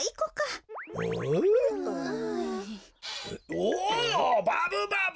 おバブバブ！